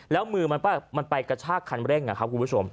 แล้วมือมันไปกระชากคันเร่งนะครับคุณผู้ชม